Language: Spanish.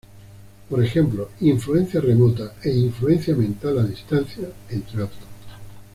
Por ejemplo, "influencia remota" e "influencia mental a distancia" entre otros.